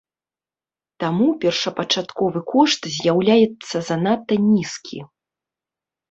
Таму першапачатковы кошт заяўляецца занадта нізкі.